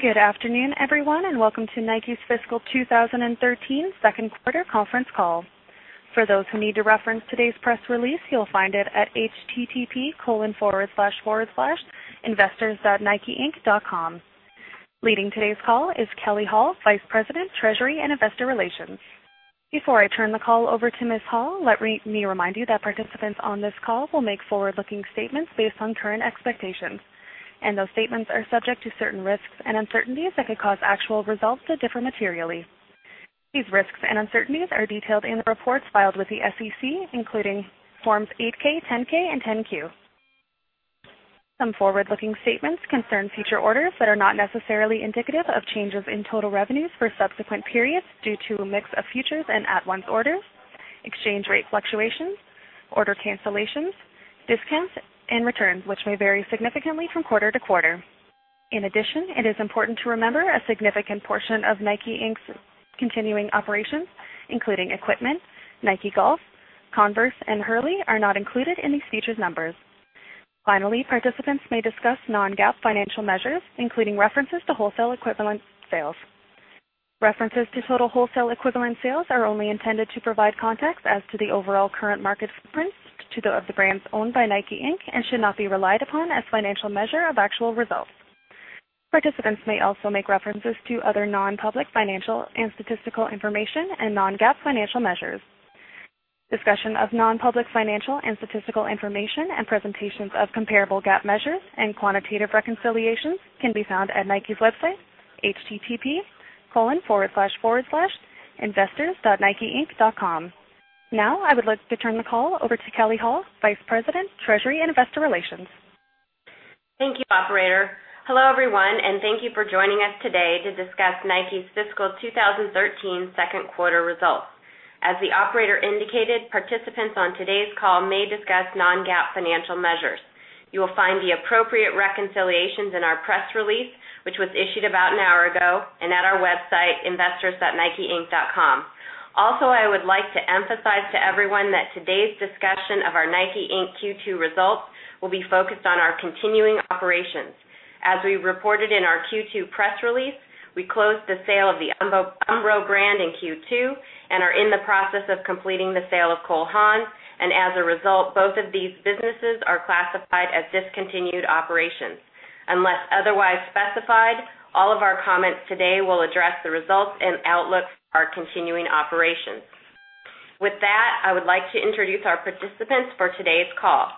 Good afternoon, everyone, and welcome to Nike's fiscal 2013 second quarter conference call. For those who need to reference today's press release, you'll find it at http://investors.nikeinc.com. Leading today's call is Kelley Hall, Vice President, Treasury and Investor Relations. Before I turn the call over to Ms. Hall, let me remind you that participants on this call will make forward-looking statements based on current expectations, and those statements are subject to certain risks and uncertainties that could cause actual results to differ materially. These risks and uncertainties are detailed in the reports filed with the SEC, including Forms 8-K, 10-K, and 10-Q. Some forward-looking statements concern future orders that are not necessarily indicative of changes in total revenues for subsequent periods due to a mix of futures and at-once orders, exchange rate fluctuations, order cancellations, discounts, and returns, which may vary significantly from quarter to quarter. In addition, it is important to remember a significant portion of Nike, Inc.'s continuing operations, including Equipment, Nike Golf, Converse, and Hurley, are not included in these futures numbers. Finally, participants may discuss non-GAAP financial measures, including references to wholesale equivalent sales. References to total wholesale equivalent sales are only intended to provide context as to the overall current market footprint to those of the brands owned by Nike, Inc. and should not be relied upon as financial measure of actual results. Participants may also make references to other non-public financial and statistical information and non-GAAP financial measures. Discussion of non-public financial and statistical information and presentations of comparable GAAP measures and quantitative reconciliations can be found at Nike's website, http://investors.nikeinc.com. Now, I would like to turn the call over to Kelley Hall, Vice President, Treasury and Investor Relations. Thank you, operator. Hello, everyone, and thank you for joining us today to discuss Nike's fiscal 2013 second quarter results. As the operator indicated, participants on today's call may discuss non-GAAP financial measures. You will find the appropriate reconciliations in our press release, which was issued about an hour ago, and at our website, investors.nikeinc.com. Also, I would like to emphasize to everyone that today's discussion of our Nike, Inc. Q2 results will be focused on our continuing operations. As we reported in our Q2 press release, we closed the sale of the Umbro brand in Q2 and are in the process of completing the sale of Cole Haan. As a result, both of these businesses are classified as discontinued operations. Unless otherwise specified, all of our comments today will address the results and outlook of our continuing operations. With that, I would like to introduce our participants for today's call.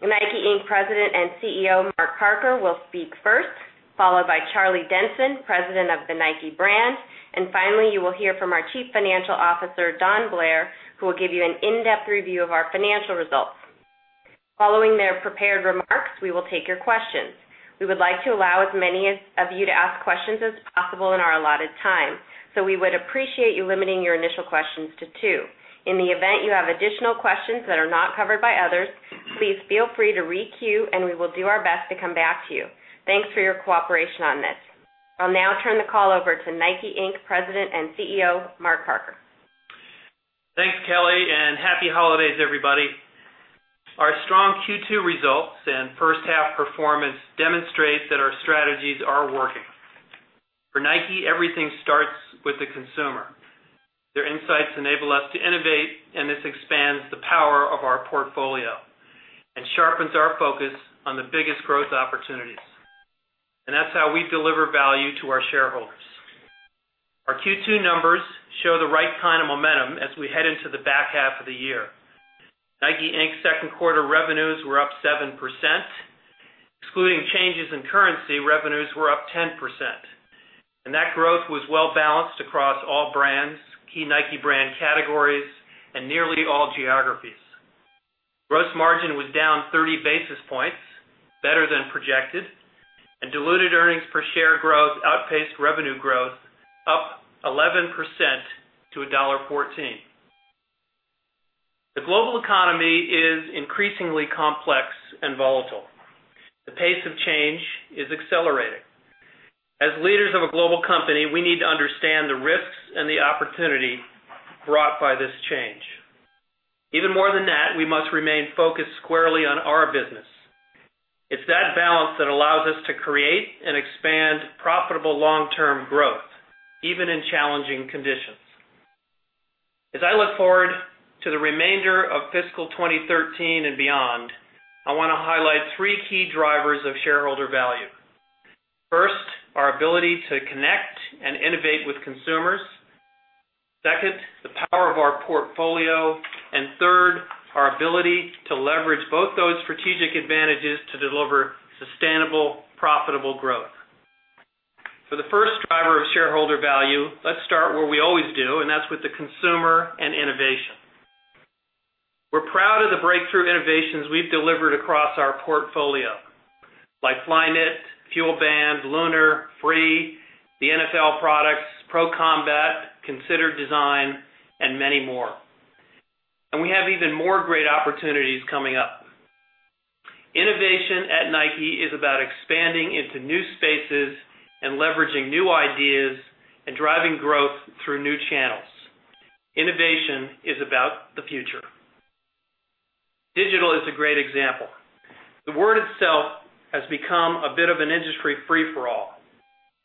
The Nike, Inc. President and CEO, Mark Parker, will speak first, followed by Charlie Denson, President of the Nike brand, and finally, you will hear from our Chief Financial Officer, Don Blair, who will give you an in-depth review of our financial results. Following their prepared remarks, we will take your questions. We would like to allow as many of you to ask questions as possible in our allotted time. We would appreciate you limiting your initial questions to two. In the event you have additional questions that are not covered by others, please feel free to re-queue, and we will do our best to come back to you. Thanks for your cooperation on this. I'll now turn the call over to Nike, Inc. President and CEO, Mark Parker. Thanks, Kelley, and happy holidays, everybody. Our strong Q2 results and first half performance demonstrates that our strategies are working. For Nike, everything starts with the consumer. Their insights enable us to innovate, this expands the power of our portfolio and sharpens our focus on the biggest growth opportunities. That's how we deliver value to our shareholders. Our Q2 numbers show the right kind of momentum as we head into the back half of the year. Nike, Inc.'s second quarter revenues were up 7%. Excluding changes in currency, revenues were up 10%. That growth was well-balanced across all brands, key Nike brand categories, and nearly all geographies. Gross margin was down 30 basis points, better than projected. Diluted earnings per share growth outpaced revenue growth up 11% to $1.14. The global economy is increasingly complex and volatile. The pace of change is accelerating. We need to understand the risks and the opportunity brought by this change. Even more than that, we must remain focused squarely on our business. It's that balance that allows us to create and expand profitable long-term growth, even in challenging conditions. As I look forward to the remainder of fiscal 2013 and beyond, I want to highlight three key drivers of shareholder value. First, our ability to connect and innovate with consumers. Second, the power of our portfolio. Third, our ability to leverage both those strategic advantages to deliver sustainable, profitable growth. For the first driver of shareholder value, let's start where we always do, that's with the consumer and innovation. We're proud of the breakthrough innovations we've delivered across our portfolio, like Flyknit, FuelBand, Lunar, Free, the NFL products, Pro Combat, Considered Design, and many more. We have even more great opportunities coming up. Innovation at Nike is about expanding into new spaces and leveraging new ideas and driving growth through new channels. Innovation is about the future. Digital is a great example. The word itself has become a bit of an industry free-for-all.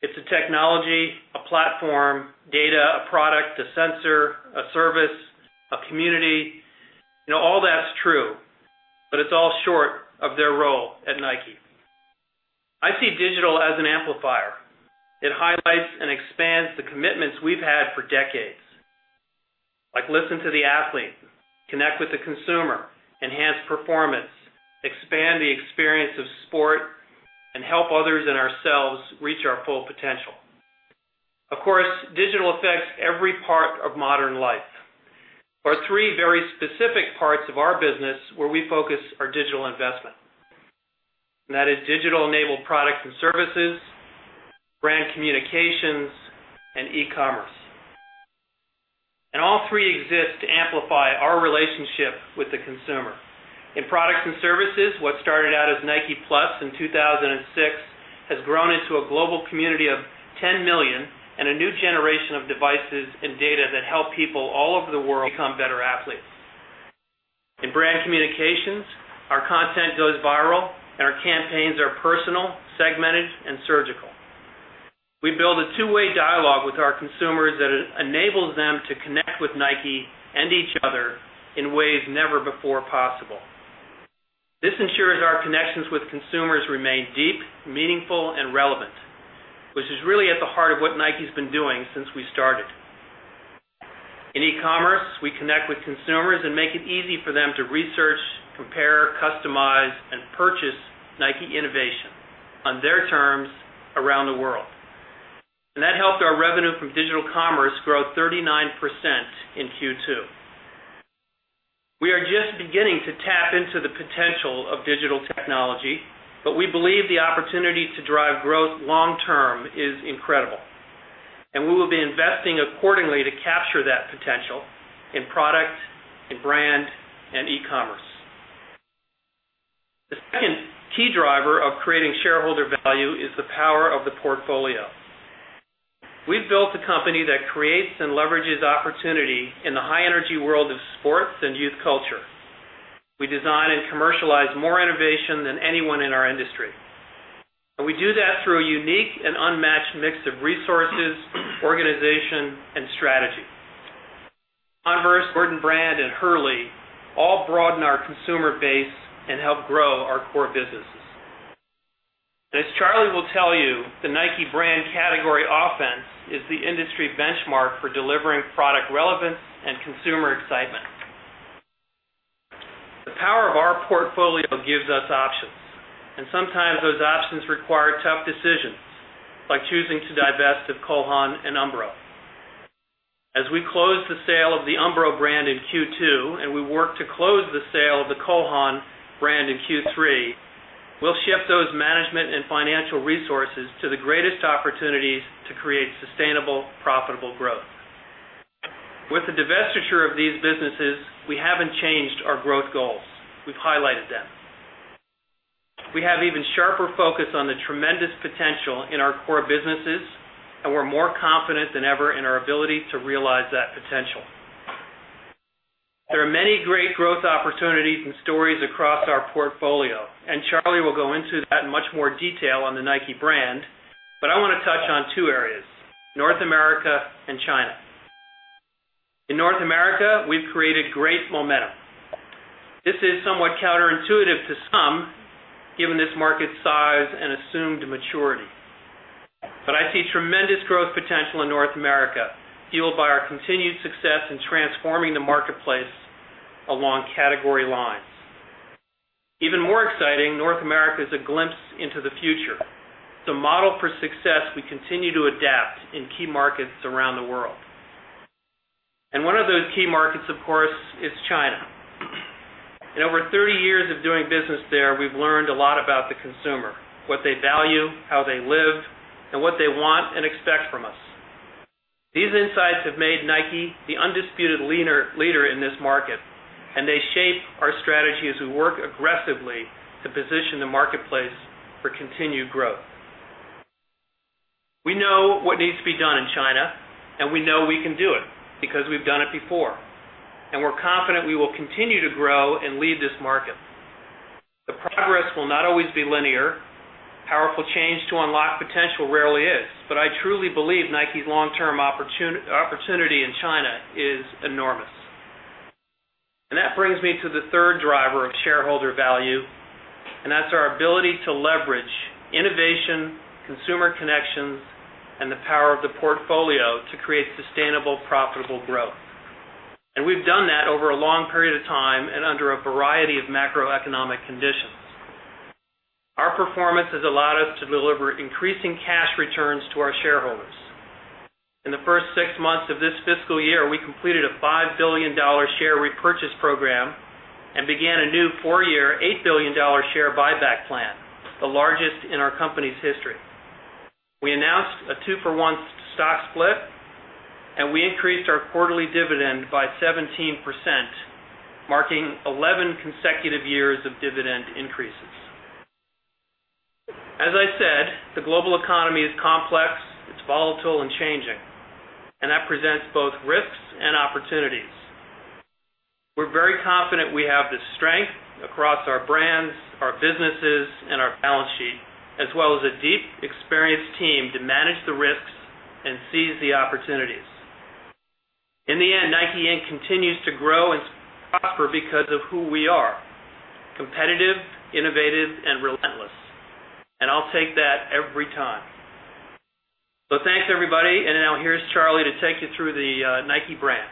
It's a technology, a platform, data, a product, a sensor, a service, a community. All that's true, but it's all short of their role at Nike. I see digital as an amplifier. It highlights and expands the commitments we've had for decades, like listen to the athlete, connect with the consumer, enhance performance, expand the experience of sport, and help others and ourselves reach our full potential. Of course, digital affects every part of modern life. There are three very specific parts of our business where we focus our digital investment. That is digital-enabled products and services, brand communications, and e-commerce. All three exist to amplify our relationship with the consumer. In products and services, what started out as Nike+ in 2006 has grown into a global community of 10 million and a new generation of devices and data that help people all over the world become better athletes. In brand communications, our content goes viral, and our campaigns are personal, segmented, and surgical. We build a two-way dialogue with our consumers that enables them to connect with Nike and each other in ways never before possible. This ensures our connections with consumers remain deep, meaningful, and relevant, which is really at the heart of what Nike's been doing since we started. In e-commerce, we connect with consumers and make it easy for them to research, compare, customize, and purchase Nike innovation on their terms around the world. That helped our revenue from digital commerce grow 39% in Q2. We are just beginning to tap into the potential of digital technology, but we believe the opportunity to drive growth long term is incredible. We will be investing accordingly to capture that potential in product, in brand, and e-commerce. The second key driver of creating shareholder value is the power of the portfolio. We've built a company that creates and leverages opportunity in the high-energy world of sports and youth culture. We design and commercialize more innovation than anyone in our industry. We do that through a unique and unmatched mix of resources, organization, and strategy. Converse, Jordan Brand, and Hurley all broaden our consumer base and help grow our core businesses. As Charlie will tell you, the Nike brand category offense is the industry benchmark for delivering product relevance and consumer excitement. The power of our portfolio gives us options. Sometimes those options require tough decisions, like choosing to divest of Cole Haan and Umbro. We close the sale of the Umbro brand in Q2, and we work to close the sale of the Cole Haan brand in Q3. We'll shift those management and financial resources to the greatest opportunities to create sustainable, profitable growth. With the divestiture of these businesses, we haven't changed our growth goals. We've highlighted them. We have even sharper focus on the tremendous potential in our core businesses, and we're more confident than ever in our ability to realize that potential. There are many great growth opportunities and stories across our portfolio. Charlie will go into that in much more detail on the Nike brand, but I want to touch on two areas, North America and China. In North America, we've created great momentum. This is somewhat counterintuitive to some, given this market size and assumed maturity. I see tremendous growth potential in North America, fueled by our continued success in transforming the marketplace along category lines. Even more exciting, North America is a glimpse into the future. It's a model for success we continue to adapt in key markets around the world. One of those key markets, of course, is China. In over 30 years of doing business there, we've learned a lot about the consumer, what they value, how they live, and what they want and expect from us. These insights have made Nike the undisputed leader in this market, and they shape our strategy as we work aggressively to position the marketplace for continued growth. We know what needs to be done in China, and we know we can do it because we've done it before. We're confident we will continue to grow and lead this market. The progress will not always be linear. Powerful change to unlock potential rarely is. I truly believe Nike's long-term opportunity in China is enormous. That brings me to the third driver of shareholder value, and that's our ability to leverage innovation, consumer connections, and the power of the portfolio to create sustainable, profitable growth. We've done that over a long period of time and under a variety of macroeconomic conditions. Our performance has allowed us to deliver increasing cash returns to our shareholders. In the first six months of this fiscal year, we completed a $5 billion share repurchase program and began a new four-year, $8 billion share buyback plan, the largest in our company's history. We announced a two-for-one stock split, we increased our quarterly dividend by 17%, marking 11 consecutive years of dividend increases. As I said, the global economy is complex, it's volatile and changing, and that presents both risks and opportunities. We're very confident we have the strength across our brands, our businesses, and our balance sheet, as well as a deep, experienced team to manage the risks and seize the opportunities. In the end, NIKE, Inc. continues to grow and prosper because of who we are, competitive, innovative, and relentless. I'll take that every time. Thanks, everybody, and now here's Charlie to take you through the NIKE brand.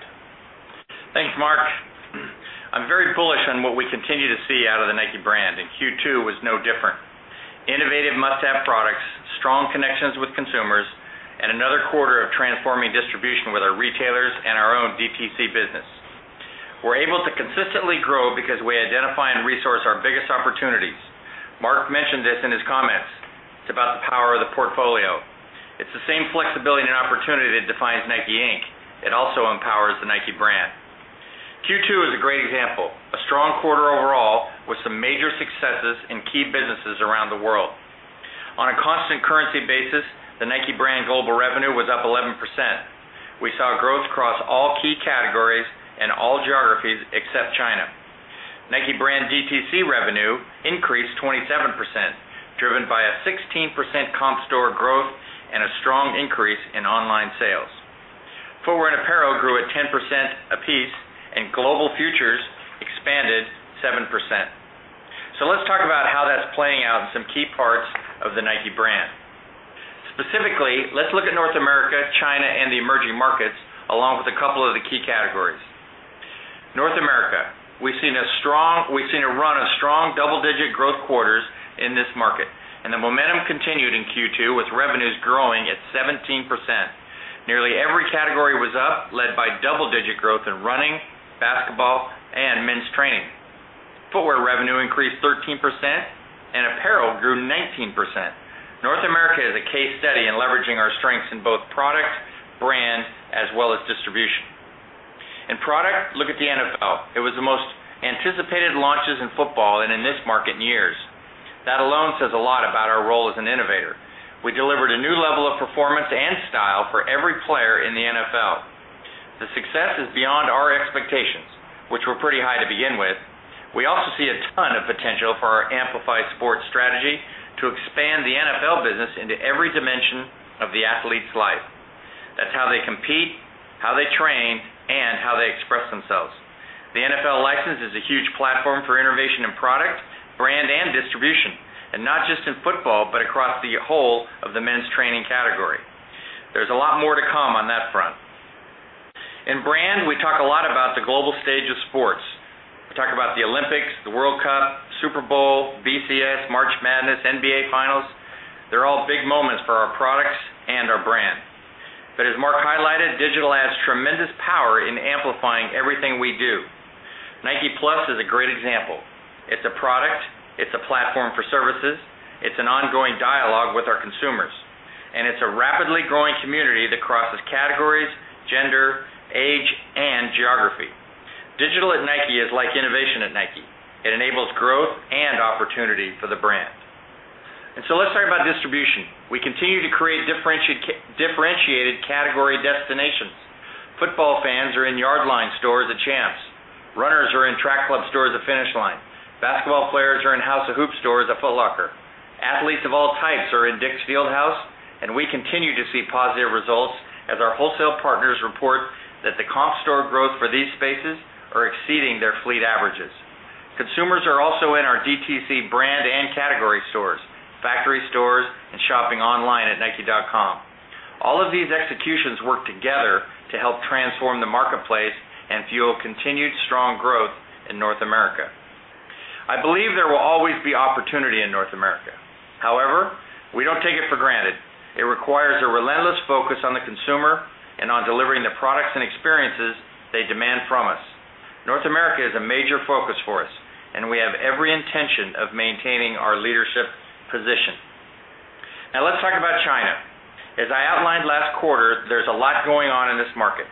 Thanks, Mark. I'm very bullish on what we continue to see out of the NIKE brand, Q2 was no different. Innovative must-have products, strong connections with consumers, and another quarter of transforming distribution with our retailers and our own DTC business. We're able to consistently grow because we identify and resource our biggest opportunities. Mark mentioned this in his comments. It's about the power of the portfolio. It's the same flexibility and opportunity that defines NIKE, Inc. It also empowers the NIKE brand. Q2 is a great example. A strong quarter overall with some major successes in key businesses around the world. On a constant currency basis, the NIKE brand global revenue was up 11%. We saw growth across all key categories and all geographies except China. NIKE brand DTC revenue increased 27%, driven by a 16% comp store growth and a strong increase in online sales. Footwear and apparel grew at 10% apiece, global futures expanded 7%. Let's talk about how that's playing out in some key parts of the NIKE brand. Specifically, let's look at North America, China, and the emerging markets, along with a couple of the key categories. North America. We've seen a run of strong double-digit growth quarters in this market, the momentum continued in Q2 with revenues growing at 17%. Nearly every category was up, led by double-digit growth in running, basketball, and men's training. Footwear revenue increased 13% and apparel grew 19%. North America is a case study in leveraging our strengths in both product, brand, as well as distribution. In product, look at the NFL. It was the most anticipated launches in football and in this market in years. That alone says a lot about our role as an innovator. We delivered a new level of performance and style for every player in the NFL. The success is beyond our expectations, which were pretty high to begin with. We also see a ton of potential for our Amplify Sport strategy to expand the NFL business into every dimension of the athlete's life. That's how they compete, how they train, and how they express themselves. The NFL license is a huge platform for innovation in product, brand, and distribution, and not just in football, but across the whole of the men's training category. There's a lot more to come on that front. In brand, we talk a lot about the global stage of sports. We talk about the Olympics, the World Cup, Super Bowl, BCS, March Madness, NBA Finals. They're all big moments for our products and our brand. As Mark highlighted, digital adds tremendous power in amplifying everything we do. Nike+ is a great example. It's a product, it's a platform for services, it's an ongoing dialogue with our consumers, and it's a rapidly growing community that crosses categories, gender, age, and geography. Digital at Nike is like innovation at Nike. It enables growth and opportunity for the brand. Let's talk about distribution. We continue to create differentiated category destinations. Football fans are in Yardline stores at Champs. Runners are in Track Club stores at Finish Line. Basketball players are in House of Hoops stores at Foot Locker. Athletes of all types are in DICK'S Field House, and we continue to see positive results as our wholesale partners report that the comp store growth for these spaces are exceeding their fleet averages. Consumers are also in our DTC brand and category stores, factory stores, and shopping online at nike.com. All of these executions work together to help transform the marketplace and fuel continued strong growth in North America. I believe there will always be opportunity in North America. We don't take it for granted. It requires a relentless focus on the consumer and on delivering the products and experiences they demand from us. North America is a major focus for us, and we have every intention of maintaining our leadership position. Let's talk about China. As I outlined last quarter, there's a lot going on in this market,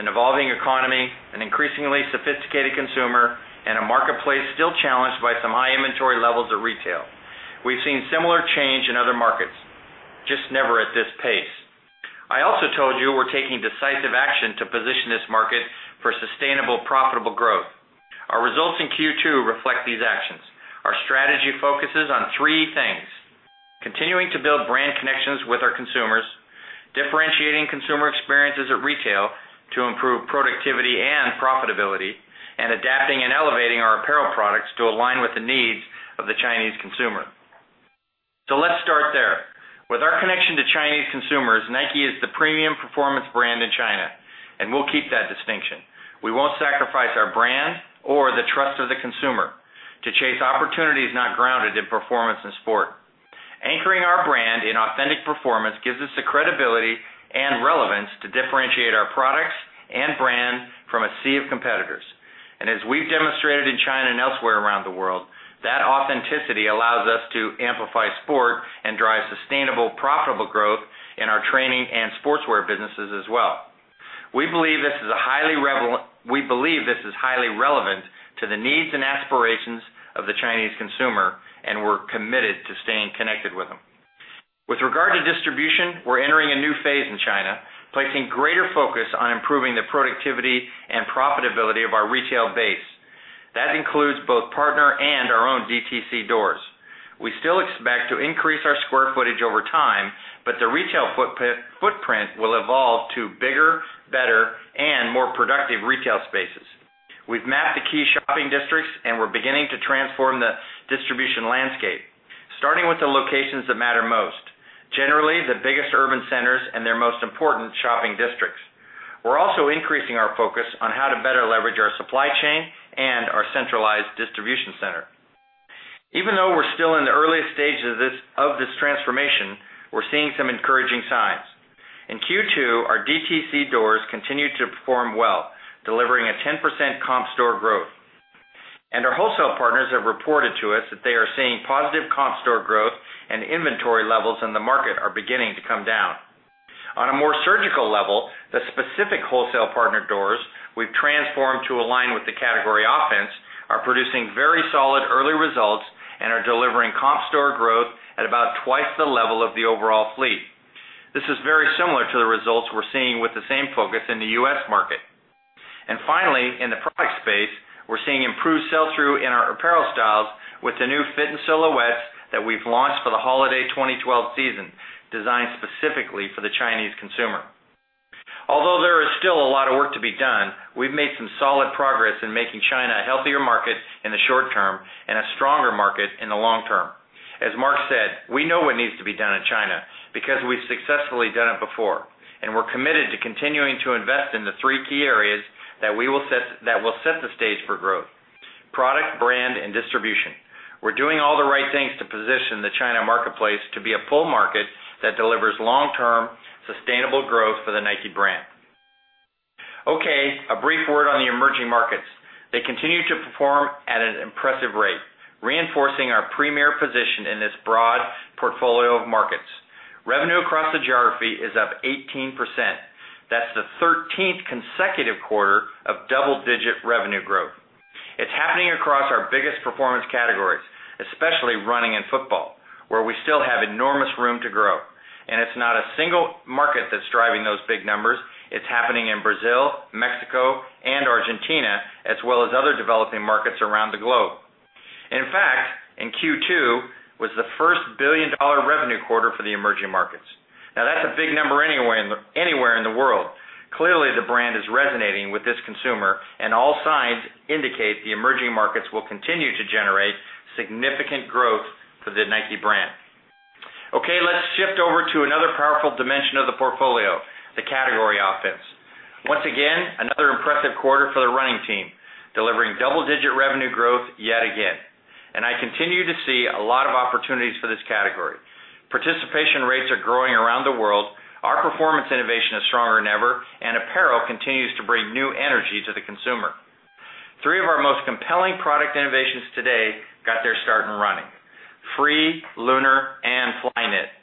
an evolving economy, an increasingly sophisticated consumer, and a marketplace still challenged by some high inventory levels of retail. We've seen similar change in other markets, just never at this pace. I also told you we're taking decisive action to position this market for sustainable, profitable growth. Our results in Q2 reflect these actions. Our strategy focuses on three things, continuing to build brand connections with our consumers, differentiating consumer experiences at retail to improve productivity and profitability, and adapting and elevating our apparel products to align with the needs of the Chinese consumer. Let's start there. With our connection to Chinese consumers, Nike is the premium performance brand in China, and we'll keep that distinction. We won't sacrifice our brand or the trust of the consumer to chase opportunities not grounded in performance and sport. Anchoring our brand in authentic performance gives us the credibility and relevance to differentiate our products and brand from a sea of competitors. As we've demonstrated in China and elsewhere around the world, that authenticity allows us to Amplify Sport and drive sustainable, profitable growth in our training and sportswear businesses as well. We believe this is highly relevant to the needs and aspirations of the Chinese consumer, and we're committed to staying connected with them. With regard to distribution, we're entering a new phase in China, placing greater focus on improving the productivity and profitability of our retail base. That includes both partner and our own DTC doors. We still expect to increase our square footage over time, but the retail footprint will evolve to bigger, better, and more productive retail spaces. We've mapped the key shopping districts, and we're beginning to transform the distribution landscape, starting with the locations that matter most, generally the biggest urban centers and their most important shopping districts. We're also increasing our focus on how to better leverage our supply chain and our centralized distribution center. Even though we're still in the earliest stages of this transformation, we're seeing some encouraging signs. In Q2, our DTC doors continued to perform well, delivering a 10% comp store growth. Our wholesale partners have reported to us that they are seeing positive comp store growth and inventory levels in the market are beginning to come down. On a more surgical level, the specific wholesale partner doors we've transformed to align with the Category Offense are producing very solid early results and are delivering comp store growth at about twice the level of the overall fleet. This is very similar to the results we're seeing with the same focus in the U.S. market. Finally, in the product space, we're seeing improved sell-through in our apparel styles with the new fit and silhouettes that we've launched for the holiday 2012 season, designed specifically for the Chinese consumer. Although there is still a lot of work to be done, we've made some solid progress in making China a healthier market in the short term and a stronger market in the long term. As Mark said, we know what needs to be done in China because we've successfully done it before, and we're committed to continuing to invest in the three key areas that will set the stage for growth: product, brand, and distribution. We're doing all the right things to position the China marketplace to be a full market that delivers long-term, sustainable growth for the Nike brand. Okay, a brief word on the emerging markets. They continue to perform at an impressive rate, reinforcing our premier position in this broad portfolio of markets. Revenue across the geography is up 18%. That's the 13th consecutive quarter of double-digit revenue growth. It's happening across our biggest performance categories, especially running and football, where we still have enormous room to grow. It's not a single market that's driving those big numbers. It's happening in Brazil, Mexico, and Argentina, as well as other developing markets around the globe. In fact, Q2 was the first billion-dollar revenue quarter for the emerging markets. Now, that's a big number anywhere in the world. Clearly, the brand is resonating with this consumer, and all signs indicate the emerging markets will continue to generate significant growth for the Nike brand. Okay, let's shift over to another powerful dimension of the portfolio, the Category Offense. Once again, another impressive quarter for the running team, delivering double-digit revenue growth yet again. I continue to see a lot of opportunities for this category. Participation rates are growing around the world. Our performance innovation is stronger than ever, and apparel continues to bring new energy to the consumer. Three of our most compelling product innovations today got their start in running: Free, Lunar, and Flyknit.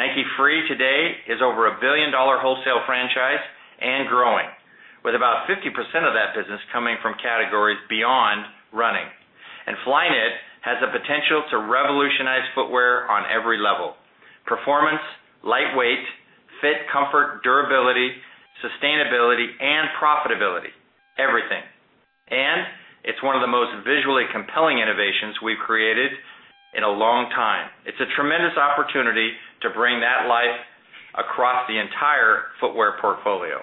Nike Free today is over a billion-dollar wholesale franchise and growing, with about 50% of that business coming from categories beyond running. Flyknit has the potential to revolutionize footwear on every level: performance, lightweight, fit, comfort, durability, sustainability, and profitability. Everything. It's one of the most visually compelling innovations we've created in a long time. It's a tremendous opportunity to bring that life across the entire footwear portfolio.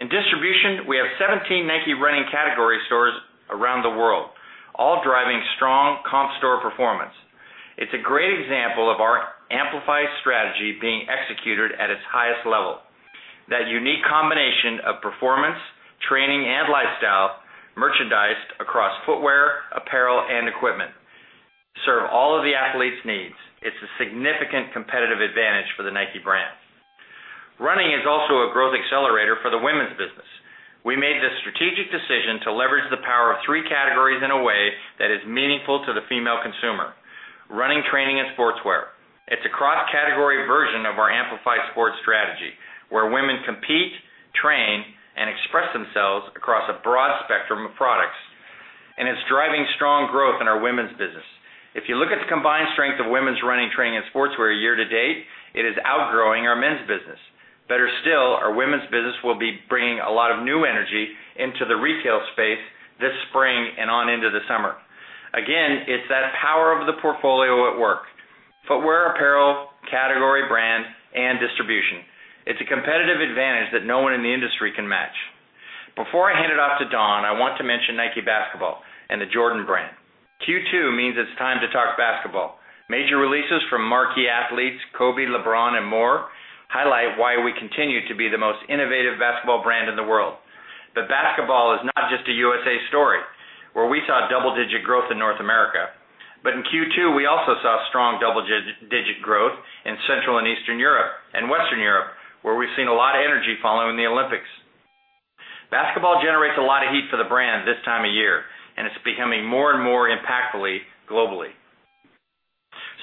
In distribution, we have 17 Nike Running category stores around the world, all driving strong comp store performance. It's a great example of our Amplify strategy being executed at its highest level. That unique combination of performance, training, and lifestyle merchandised across footwear, apparel, and equipment serve all of the athletes' needs. It's a significant competitive advantage for the Nike brand. Running is also a growth accelerator for the women's business. We made the strategic decision to leverage the power of three categories in a way that is meaningful to the female consumer: running, training, and sportswear. It's a cross-category version of our Amplify Sport strategy, where women compete, train, and express themselves across a broad spectrum of products. It's driving strong growth in our women's business. If you look at the combined strength of women's running, training, and sportswear year to date, it is outgrowing our men's business. Better still, our women's business will be bringing a lot of new energy into the retail space this spring and on into the summer. Again, it's that power of the portfolio at work. Footwear, apparel, category brand, and distribution. It's a competitive advantage that no one in the industry can match. Before I hand it off to Don, I want to mention Nike Basketball and the Jordan Brand. Q2 means it's time to talk basketball. Major releases from marquee athletes Kobe, LeBron, and more highlight why we continue to be the most innovative basketball brand in the world. Basketball is not just a USA story, where we saw double-digit growth in North America. In Q2, we also saw strong double-digit growth in Central and Eastern Europe and Western Europe, where we've seen a lot of energy following the Olympics. Basketball generates a lot of heat for the brand this time of year, and it's becoming more and more impactful globally.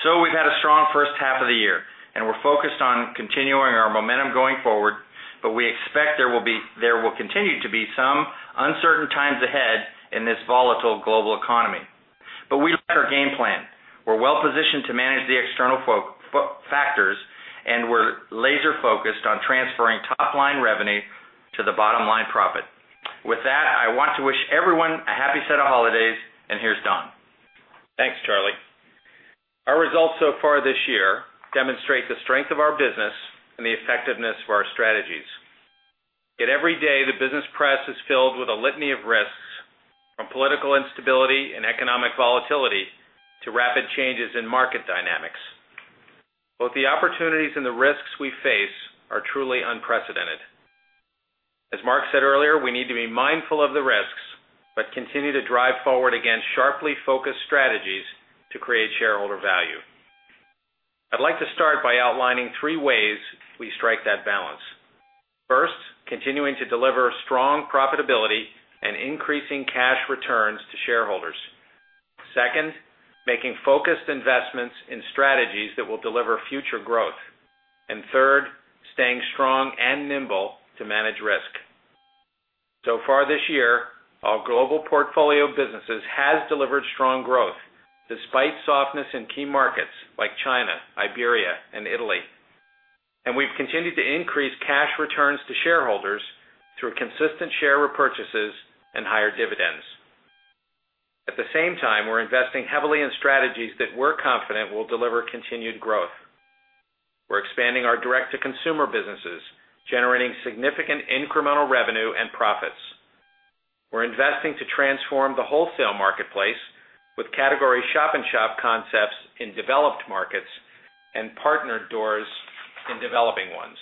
We've had a strong first half of the year, and we're focused on continuing our momentum going forward. We expect there will continue to be some uncertain times ahead in this volatile global economy. We like our game plan. We're well positioned to manage the external factors, and we're laser focused on transferring top-line revenue to the bottom-line profit. With that, I want to wish everyone a happy set of holidays. Here's Don. Thanks, Charlie. Our results so far this year demonstrate the strength of our business and the effectiveness of our strategies. Yet every day, the business press is filled with a litany of risks, from political instability and economic volatility to rapid changes in market dynamics. Both the opportunities and the risks we face are truly unprecedented. As Mark said earlier, we need to be mindful of the risks, but continue to drive forward against sharply focused strategies to create shareholder value. I'd like to start by outlining three ways we strike that balance. First, continuing to deliver strong profitability and increasing cash returns to shareholders. Second, making focused investments in strategies that will deliver future growth. Third, staying strong and nimble to manage risk. So far this year, our global portfolio of businesses has delivered strong growth despite softness in key markets like China, Iberia, and Italy. We've continued to increase cash returns to shareholders through consistent share repurchases and higher dividends. At the same time, we're investing heavily in strategies that we're confident will deliver continued growth. We're expanding our direct-to-consumer businesses, generating significant incremental revenue and profits. We're investing to transform the wholesale marketplace with category shop-in-shop concepts in developed markets and partner doors in developing ones.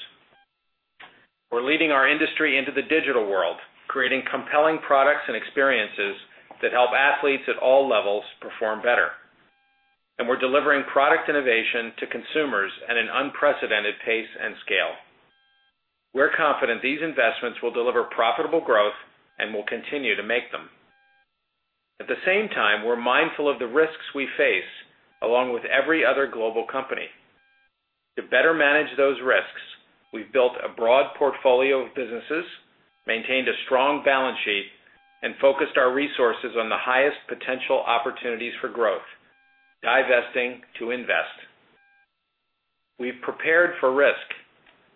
We're leading our industry into the digital world, creating compelling products and experiences that help athletes at all levels perform better. We're delivering product innovation to consumers at an unprecedented pace and scale. We're confident these investments will deliver profitable growth and will continue to make them. At the same time, we're mindful of the risks we face along with every other global company. To better manage those risks, we've built a broad portfolio of businesses, maintained a strong balance sheet, and focused our resources on the highest potential opportunities for growth, divesting to invest. We've prepared for risk,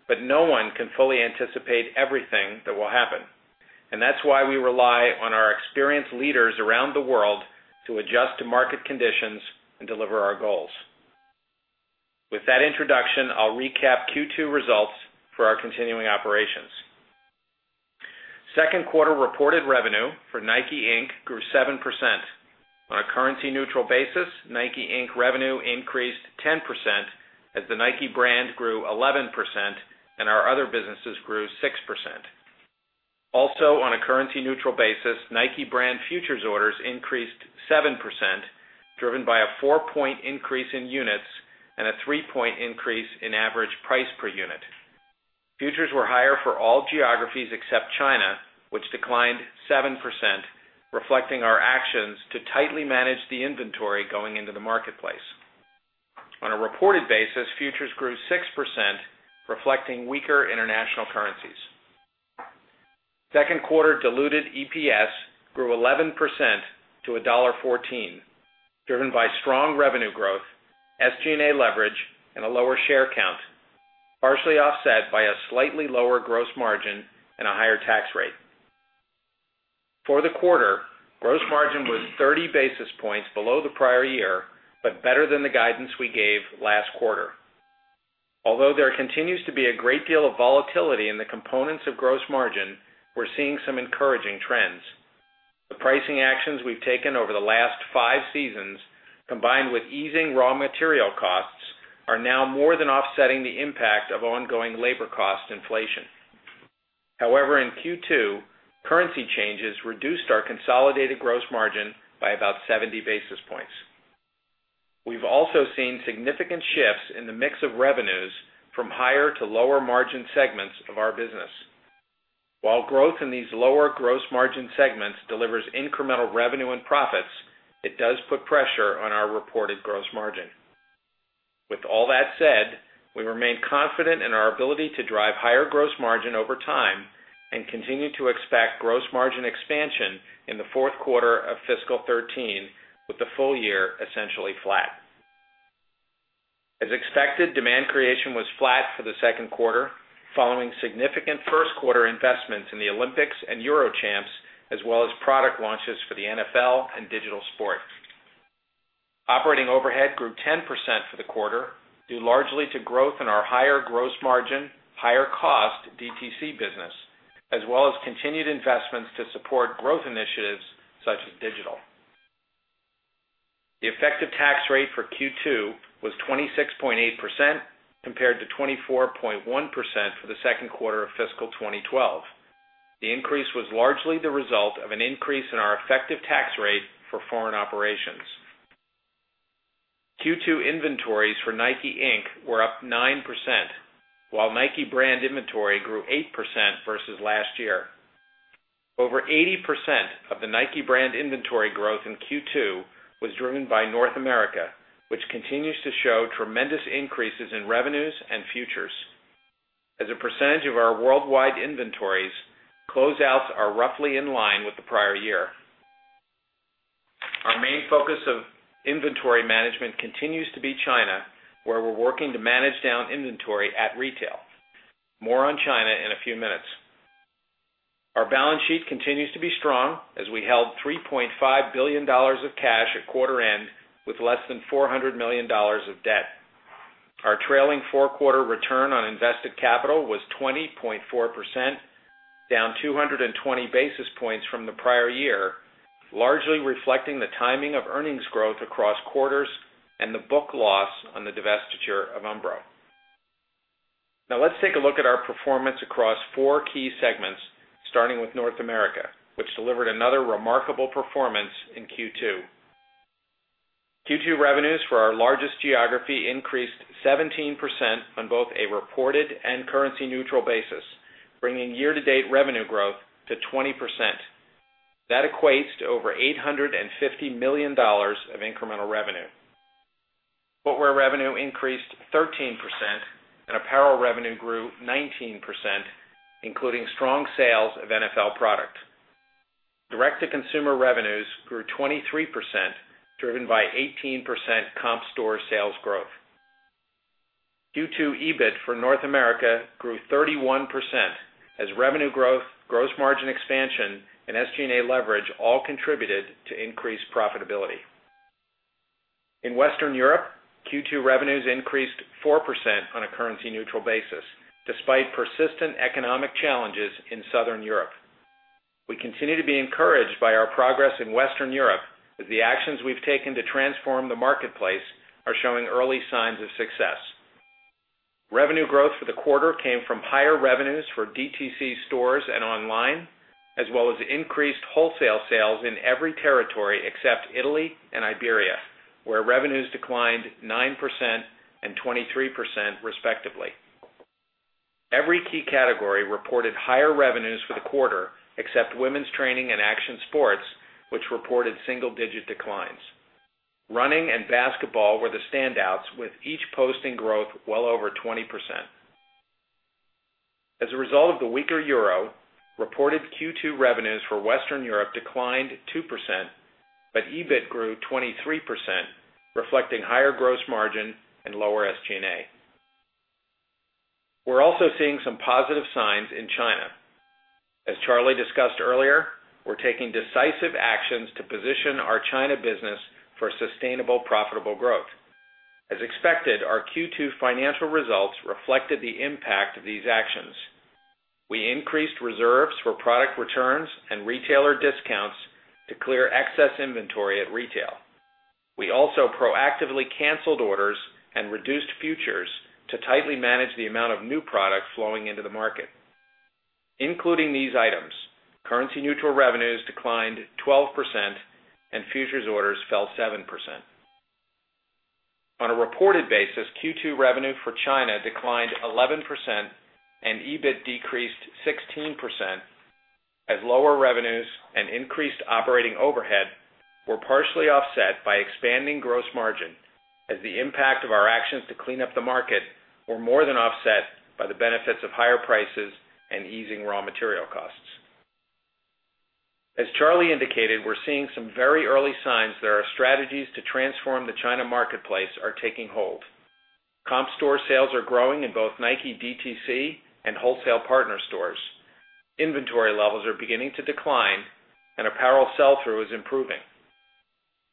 but no one can fully anticipate everything that will happen. That's why we rely on our experienced leaders around the world to adjust to market conditions and deliver our goals. With that introduction, I'll recap Q2 results for our continuing operations. Second quarter reported revenue for Nike, Inc. grew 7%. On a currency-neutral basis, Nike, Inc. revenue increased 10% as the Nike brand grew 11% and our other businesses grew 6%. Also, on a currency-neutral basis, Nike brand futures orders increased 7%, driven by a four-point increase in units and a three-point increase in average price per unit. Futures were higher for all geographies except China, which declined 7%, reflecting our actions to tightly manage the inventory going into the marketplace. On a reported basis, futures grew 6%, reflecting weaker international currencies. Second quarter diluted EPS grew 11% to $1.14, driven by strong revenue growth, SG&A leverage, and a lower share count, partially offset by a slightly lower gross margin and a higher tax rate. For the quarter, gross margin was 30 basis points below the prior year, but better than the guidance we gave last quarter. Although there continues to be a great deal of volatility in the components of gross margin, we're seeing some encouraging trends. The pricing actions we've taken over the last five seasons, combined with easing raw material costs, are now more than offsetting the impact of ongoing labor cost inflation. However, in Q2, currency changes reduced our consolidated gross margin by about 70 basis points. We've also seen significant shifts in the mix of revenues from higher to lower margin segments of our business. While growth in these lower gross margin segments delivers incremental revenue and profits, it does put pressure on our reported gross margin. With all that said, we remain confident in our ability to drive higher gross margin over time and continue to expect gross margin expansion in the fourth quarter of fiscal 13, with the full year essentially flat. As expected, demand creation was flat for the second quarter, following significant first quarter investments in the Olympics and Euro Champs, as well as product launches for the NFL and Digital Sport. Operating overhead grew 10% for the quarter, due largely to growth in our higher gross margin, higher cost DTC business, as well as continued investments to support growth initiatives such as digital. The effective tax rate for Q2 was 26.8% compared to 24.1% for the second quarter of fiscal 2012. The increase was largely the result of an increase in our effective tax rate for foreign operations. Q2 inventories for Nike, Inc. were up 9%, while Nike brand inventory grew 8% versus last year. Over 80% of the Nike brand inventory growth in Q2 was driven by North America, which continues to show tremendous increases in revenues and futures. As a percentage of our worldwide inventories, closeouts are roughly in line with the prior year. Our main focus of inventory management continues to be China, where we're working to manage down inventory at retail. More on China in a few minutes. Our balance sheet continues to be strong as we held $3.5 billion of cash at quarter end, with less than $400 million of debt. Our trailing four-quarter return on invested capital was 20.4%, down 220 basis points from the prior year, largely reflecting the timing of earnings growth across quarters and the book loss on the divestiture of Umbro. Let's take a look at our performance across four key segments, starting with North America, which delivered another remarkable performance in Q2. Q2 revenues for our largest geography increased 17% on both a reported and currency-neutral basis, bringing year-to-date revenue growth to 20%. That equates to over $850 million of incremental revenue. Footwear revenue increased 13% and apparel revenue grew 19%, including strong sales of NFL product. Direct-to-consumer revenues grew 23%, driven by 18% comp store sales growth. Q2 EBIT for North America grew 31% as revenue growth, gross margin expansion and SG&A leverage all contributed to increased profitability. In Western Europe, Q2 revenues increased 4% on a currency-neutral basis, despite persistent economic challenges in Southern Europe. We continue to be encouraged by our progress in Western Europe, as the actions we've taken to transform the marketplace are showing early signs of success. Revenue growth for the quarter came from higher revenues for DTC stores and online, as well as increased wholesale sales in every territory except Italy and Iberia, where revenues declined 9% and 23% respectively. Every key category reported higher revenues for the quarter, except women's training and action sports, which reported single-digit declines. Running and basketball were the standouts, with each posting growth well over 20%. As a result of the weaker euro, reported Q2 revenues for Western Europe declined 2%, but EBIT grew 23%, reflecting higher gross margin and lower SG&A. We're also seeing some positive signs in China. As Charlie discussed earlier, we're taking decisive actions to position our China business for sustainable, profitable growth. As expected, our Q2 financial results reflected the impact of these actions. We increased reserves for product returns and retailer discounts to clear excess inventory at retail. We also proactively canceled orders and reduced futures to tightly manage the amount of new product flowing into the market. Including these items, currency-neutral revenues declined 12% and futures orders fell 7%. On a reported basis, Q2 revenue for China declined 11% and EBIT decreased 16% as lower revenues and increased operating overhead were partially offset by expanding gross margin, as the impact of our actions to clean up the market were more than offset by the benefits of higher prices and easing raw material costs. As Charlie indicated, we're seeing some very early signs that our strategies to transform the China marketplace are taking hold. Comp store sales are growing in both Nike DTC and wholesale partner stores. Inventory levels are beginning to decline and apparel sell-through is improving.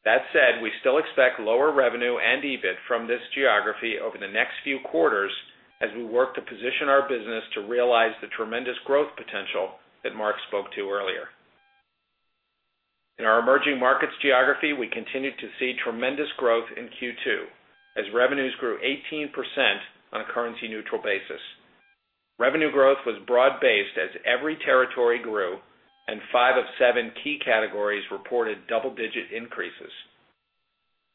That said, we still expect lower revenue and EBIT from this geography over the next few quarters as we work to position our business to realize the tremendous growth potential that Mark spoke to earlier. In our emerging markets geography, we continued to see tremendous growth in Q2 as revenues grew 18% on a currency-neutral basis. Revenue growth was broad-based as every territory grew and 5 of 7 key categories reported double-digit increases.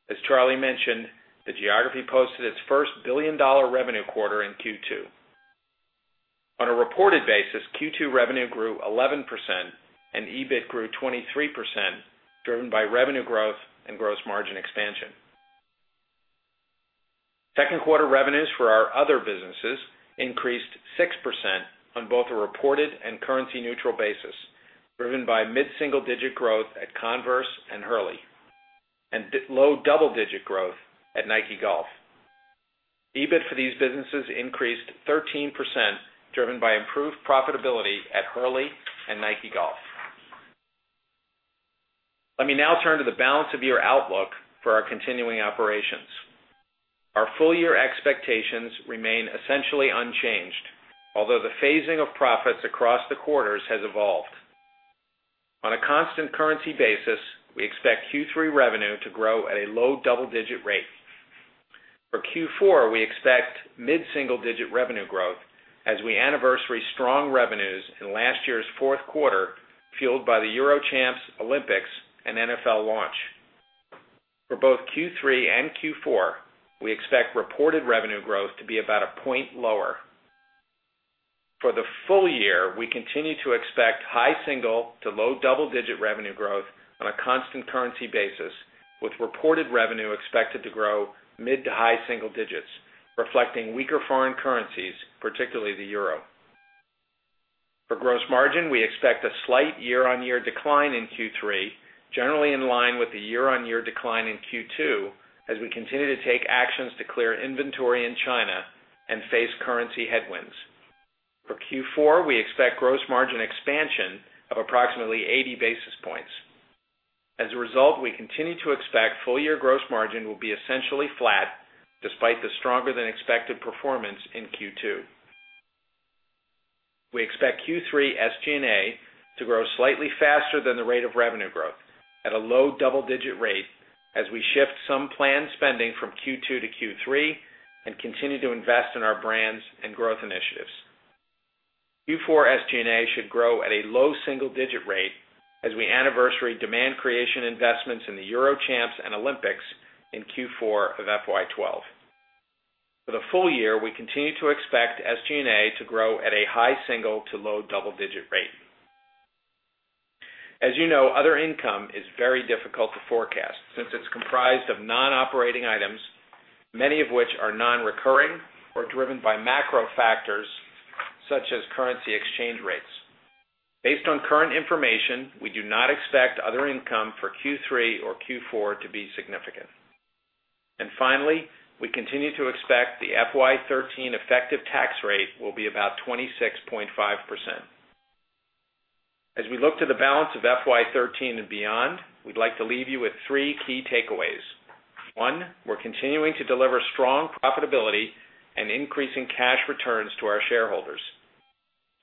As Charlie mentioned, the geography posted its first billion-dollar revenue quarter in Q2. On a reported basis, Q2 revenue grew 11% and EBIT grew 23%, driven by revenue growth and gross margin expansion. Second quarter revenues for our other businesses increased 6% on both a reported and currency-neutral basis, driven by mid-single-digit growth at Converse and Hurley, and low double-digit growth at Nike Golf. EBIT for these businesses increased 13%, driven by improved profitability at Hurley and Nike Golf. Let me now turn to the balance of your outlook for our continuing operations. Our full-year expectations remain essentially unchanged, although the phasing of profits across the quarters has evolved. On a constant currency basis, we expect Q3 revenue to grow at a low double-digit rate. For Q4, we expect mid-single-digit revenue growth as we anniversary strong revenues in last year's fourth quarter, fueled by the Euro Champs, Olympics and NFL launch. For both Q3 and Q4, we expect reported revenue growth to be about a point lower. For the full year, we continue to expect high single to low double-digit revenue growth on a constant currency basis, with reported revenue expected to grow mid to high single digits, reflecting weaker foreign currencies, particularly the euro. For gross margin, we expect a slight year-on-year decline in Q3, generally in line with the year-on-year decline in Q2, as we continue to take actions to clear inventory in China and face currency headwinds. For Q4, we expect gross margin expansion of approximately 80 basis points. As a result, we continue to expect full year gross margin will be essentially flat despite the stronger than expected performance in Q2. We expect Q3 SG&A to grow slightly faster than the rate of revenue growth at a low double-digit rate as we shift some planned spending from Q2 to Q3 and continue to invest in our brands and growth initiatives. Q4 SG&A should grow at a low single-digit rate as we anniversary demand creation investments in the Euro Champs and Olympics in Q4 of FY 2012. For the full year, we continue to expect SG&A to grow at a high single to low double-digit rate. As you know, other income is very difficult to forecast since it's comprised of non-operating items, many of which are non-recurring or driven by macro factors such as currency exchange rates. Based on current information, we do not expect other income for Q3 or Q4 to be significant. Finally, we continue to expect the FY 2013 effective tax rate will be about 26.5%. As we look to the balance of FY 2013 and beyond, we'd like to leave you with three key takeaways. One, we're continuing to deliver strong profitability and increasing cash returns to our shareholders.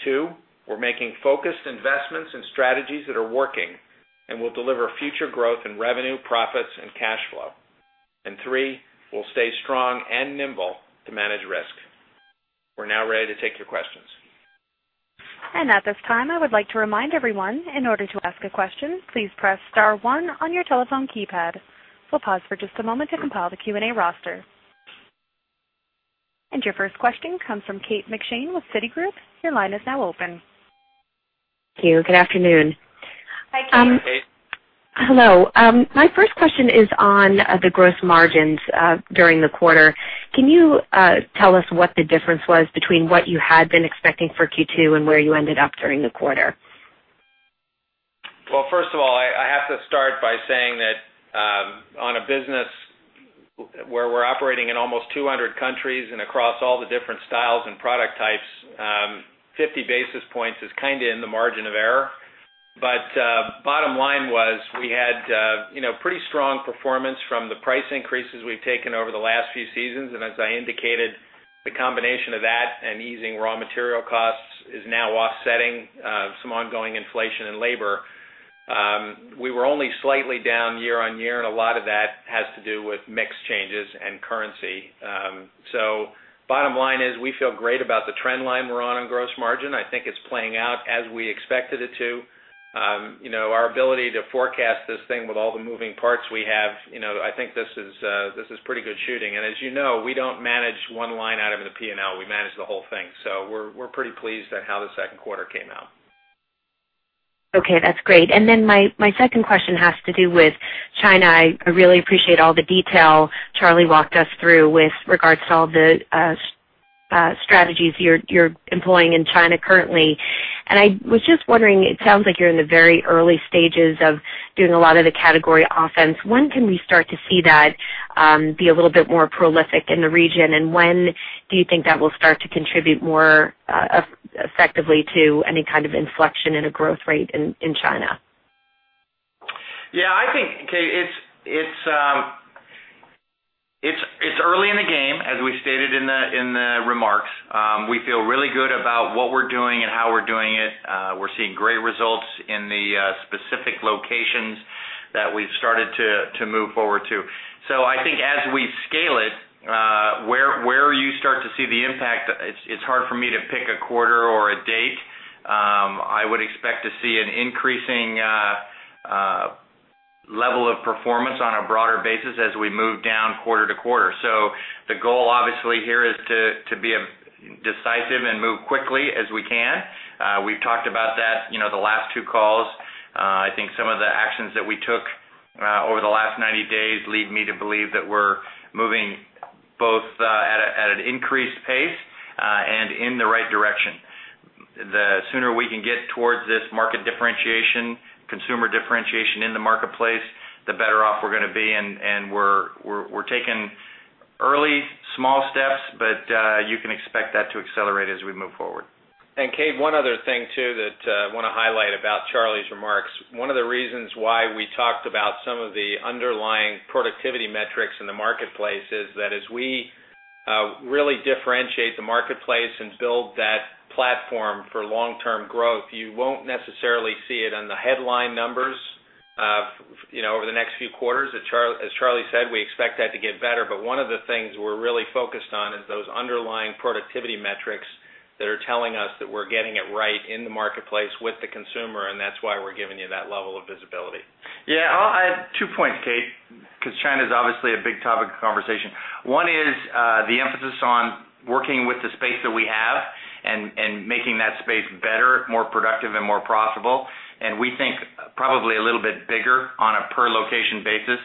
Two, we're making focused investments and strategies that are working and will deliver future growth in revenue, profits and cash flow. Three, we'll stay strong and nimble to manage risk. We're now ready to take your questions. At this time, I would like to remind everyone, in order to ask a question, please press *1 on your telephone keypad. We'll pause for just a moment to compile the Q&A roster. Your first question comes from Kate McShane with Citigroup. Your line is now open. Thank you. Good afternoon. Hi, Kate. Hello. My first question is on the gross margins during the quarter. Can you tell us what the difference was between what you had been expecting for Q2 and where you ended up during the quarter? Well, first of all, I have to start by saying that on a business where we're operating in almost 200 countries and across all the different styles and product types, 50 basis points is kind of in the margin of error. Bottom line was we had pretty strong performance from the price increases we've taken over the last few seasons. As I indicated, the combination of that and easing raw material costs is now offsetting some ongoing inflation in labor. We were only slightly down year-on-year, a lot of that has to do with mix changes and currency. Bottom line is, we feel great about the trend line we're on in gross margin. I think it's playing out as we expected it to. Our ability to forecast this thing with all the moving parts we have, I think this is pretty good shooting. As you know, we don't manage one line item in the P&L, we manage the whole thing. We're pretty pleased at how the second quarter came out. Okay, that's great. My second question has to do with China. I really appreciate all the detail Charlie walked us through with regards to all the strategies you're employing in China currently. I was just wondering, it sounds like you're in the very early stages of doing a lot of the category offense. When can we start to see that be a little bit more prolific in the region, and when do you think that will start to contribute more effectively to any kind of inflection in a growth rate in China? I think, Kate, it's early in the game, as we stated in the remarks. We feel really good about what we're doing and how we're doing it. We're seeing great results in the specific locations that we've started to move forward to. I think as we scale it, where you start to see the impact, it's hard for me to pick a quarter or a date. I would expect to see an increasing level of performance on a broader basis as we move down quarter to quarter. The goal obviously here is to be decisive and move quickly as we can. We've talked about that the last two calls. I think some of the actions that we took over the last 90 days lead me to believe that we're moving both at an increased pace and in the right direction. The sooner we can get towards this market differentiation, consumer differentiation in the marketplace, the better off we're going to be, and we're taking early small steps, but you can expect that to accelerate as we move forward. Kate, one other thing too that I want to highlight about Charlie's remarks. One of the reasons why we talked about some of the underlying productivity metrics in the marketplace is that as we really differentiate the marketplace and build that platform for long-term growth, you won't necessarily see it on the headline numbers over the next few quarters. As Charlie said, we expect that to get better. One of the things we're really focused on is those underlying productivity metrics That are telling us that we're getting it right in the marketplace with the consumer, and that's why we're giving you that level of visibility. Yeah. I have two points, Kate, because China's obviously a big topic of conversation. One is the emphasis on working with the space that we have and making that space better, more productive, more profitable. We think probably a little bit bigger on a per location basis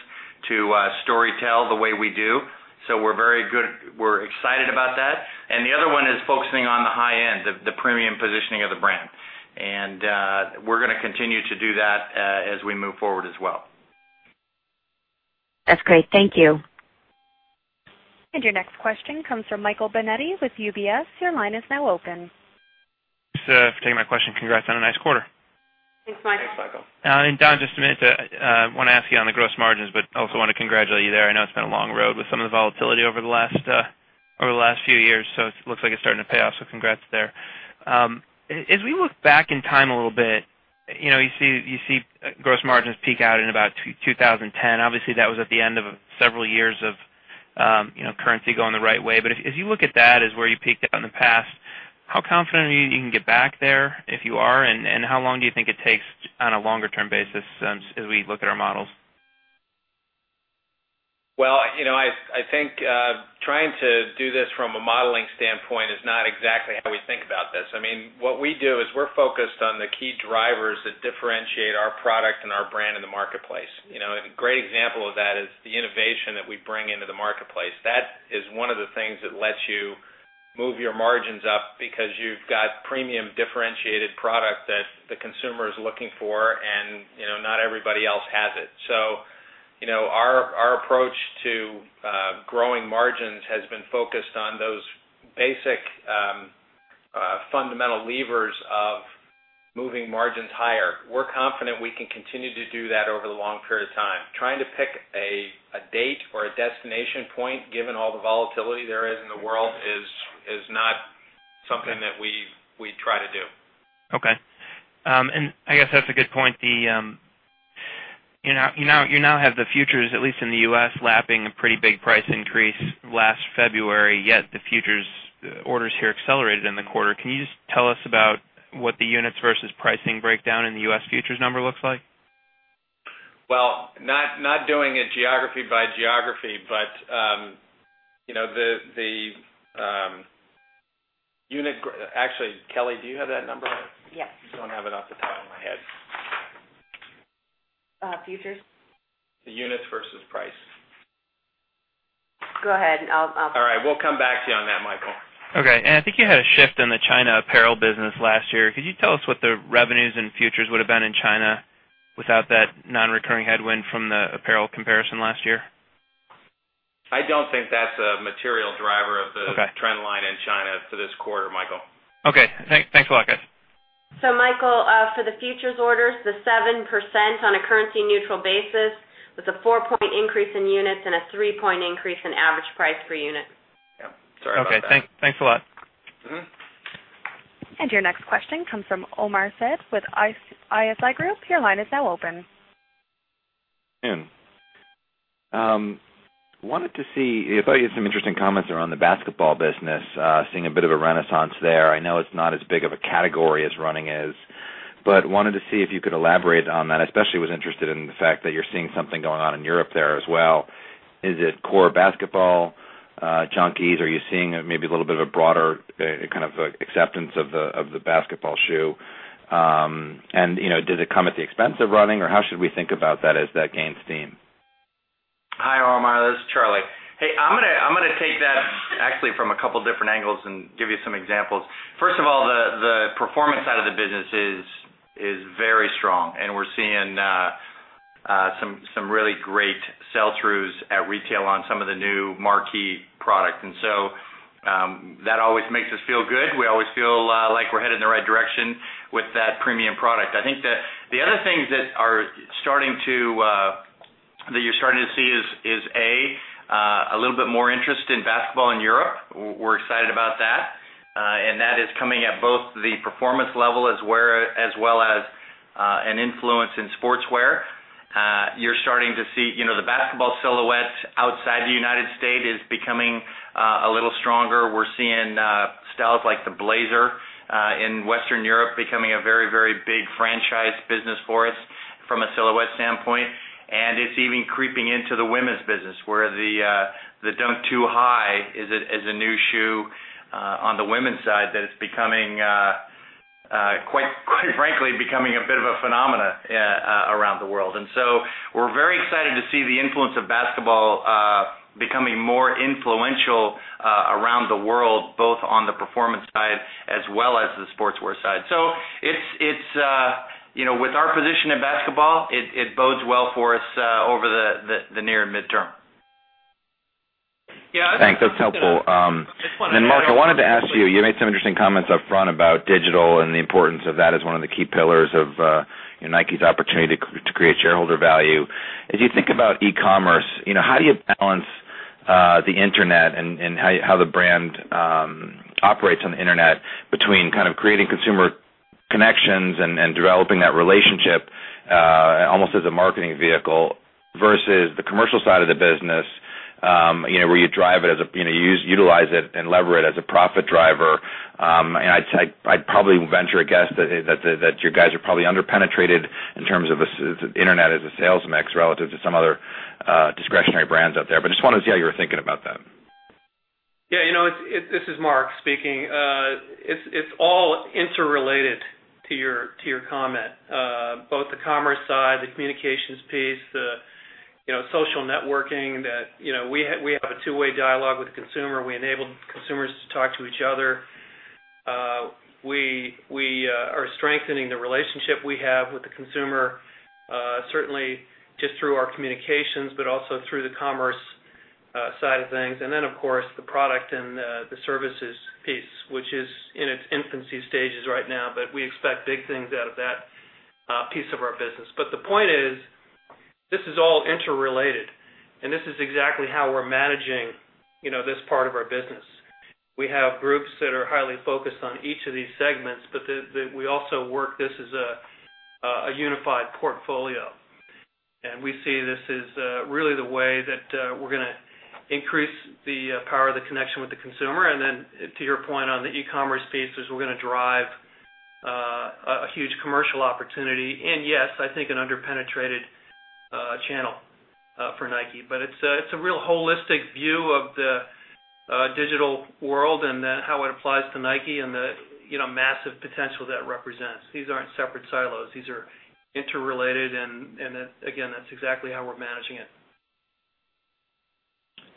to story tell the way we do. We're very good. We're excited about that. The other one is focusing on the high end, the premium positioning of the brand. We're going to continue to do that as we move forward as well. That's great. Thank you. Your next question comes from Michael Binetti with UBS. Your line is now open. Thanks for taking my question. Congrats on a nice quarter. Thanks, Michael. Thanks, Michael. Don, just a minute. I want to ask you on the gross margins, also want to congratulate you there. I know it's been a long road with some of the volatility over the last few years, it looks like it's starting to pay off, congrats there. As we look back in time a little bit, you see gross margins peak out in about 2010. Obviously, that was at the end of several years of currency going the right way. As you look at that, as where you peaked out in the past, how confident are you that you can get back there if you are? How long do you think it takes on a longer-term basis as we look at our models? Well, I think, trying to do this from a modeling standpoint is not exactly how we think about this. What we do is we're focused on the key drivers that differentiate our product and our brand in the marketplace. A great example of that is the innovation that we bring into the marketplace. That is one of the things that lets you move your margins up because you've got premium differentiated product that the consumer is looking for, not everybody else has it. Our approach to growing margins has been focused on those basic fundamental levers of moving margins higher. We're confident we can continue to do that over the long period of time. Trying to pick a date or a destination point, given all the volatility there is in the world, is not something that we try to do. Okay. I guess that's a good point. You now have the futures, at least in the U.S., lapping a pretty big price increase last February, yet the futures orders here accelerated in the quarter. Can you just tell us about what the units versus pricing breakdown in the U.S. futures number looks like? Not doing it geography by geography, actually, Kelley, do you have that number? Yes. Just don't have it off the top of my head. Futures? The units versus price. Go ahead. All right. We'll come back to you on that, Michael. Okay. I think you had a shift in the China apparel business last year. Could you tell us what the revenues and futures would have been in China without that non-recurring headwind from the apparel comparison last year? I don't think that's a material driver of the- Okay trend line in China for this quarter, Michael. Okay. Thanks a lot, guys. Michael, for the futures orders, the 7% on a currency neutral basis with a 4-point increase in units and a 3-point increase in average price per unit. Yep. Sorry about that. Okay. Thanks a lot. Your next question comes from Omar Saad with ISI Group. Your line is now open. I wanted to see if I heard some interesting comments around the basketball business, seeing a bit of a renaissance there. I know it's not as big of a category as running is, but wanted to see if you could elaborate on that. I especially was interested in the fact that you're seeing something going on in Europe there as well. Is it core basketball junkies? Are you seeing maybe a little bit of a broader kind of acceptance of the basketball shoe? Did it come at the expense of running, or how should we think about that as that gains steam? Hi, Omar. This is Charlie. Hey, I'm going to take that actually from a couple of different angles and give you some examples. First of all, the performance side of the business is very strong, and we're seeing some really great sell-throughs at retail on some of the new marquee product, and so, that always makes us feel good. We always feel like we're headed in the right direction with that premium product. I think the other things that you're starting to see is, A, a little bit more interest in basketball in Europe. We're excited about that. That is coming at both the performance level as well as an influence in sportswear. You're starting to see the basketball silhouettes outside the United States is becoming a little stronger. We're seeing styles like the Nike Blazer in Western Europe becoming a very, very big franchise business for us from a silhouette standpoint. It's even creeping into the women's business, where the Dunk Sky Hi is a new shoe on the women's side that is, quite frankly, becoming a bit of a phenomena around the world. We're very excited to see the influence of basketball becoming more influential around the world, both on the performance side as well as the sportswear side. With our position in basketball, it bodes well for us over the near and midterm. Thanks. That's helpful. Mark, I wanted to ask you made some interesting comments up front about digital and the importance of that as one of the key pillars of Nike's opportunity to create shareholder value. As you think about e-commerce, how do you balance the Internet and how the brand operates on the Internet between kind of creating consumer connections and developing that relationship, almost as a marketing vehicle versus the commercial side of the business, where you utilize it and lever it as a profit driver. I'd probably venture a guess that you guys are probably under-penetrated in terms of Internet as a sales mix relative to some other discretionary brands out there. Just wanted to see how you were thinking about that. Yeah. This is Mark speaking. It's all interrelated to your comment. Both the commerce side, the communications piece, the social networking that We have a two-way dialogue with the consumer. We enable consumers to talk to each other. We are strengthening the relationship we have with the consumer, certainly just through our communications, but also through the commerce side of things. Then, of course, the product and the services piece, which is in its infancy stages right now, but we expect big things out of that piece of our business. But the point is, this is all interrelated, and this is exactly how we're managing this part of our business. We have groups that are highly focused on each of these segments, but we also work this as a unified portfolio. We see this is really the way that we're going to increase the power of the connection with the consumer. Then to your point on the e-commerce pieces, we're going to drive a huge commercial opportunity. Yes, I think an under-penetrated channel for Nike. But it's a real holistic view of the digital world and how it applies to Nike and the massive potential that represents. These aren't separate silos. These are interrelated and, again, that's exactly how we're managing it.